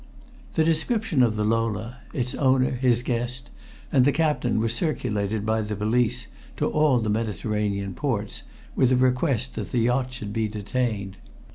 The description of the Lola, its owner, his guest, and the captain were circulated by the police to all the Mediterranean ports, with a request that the yacht should be detained.